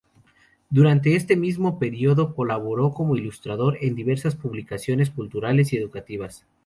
Durante este mismo periodo colaboró como ilustrador en diversas publicaciones culturales y educativas.